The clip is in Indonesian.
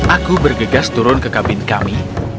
aku bergegas turun ke kabin kami